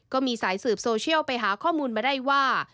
ก็มีสายสืบโซเชียลไปหาข้อมูลมาได้ว่า